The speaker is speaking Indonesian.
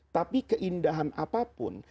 tapi keindahan apapun